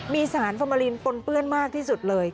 มีสารฟอร์มาลินปนเปื้อนมากที่สุดเลย